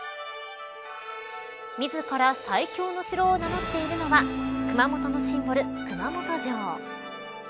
自ら最強の城を名乗っているのは熊本のシンボル、熊本城。